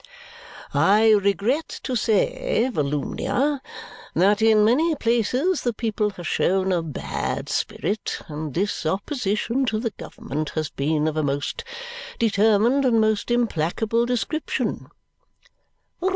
"I regret to say, Volumnia, that in many places the people have shown a bad spirit, and that this opposition to the government has been of a most determined and most implacable description."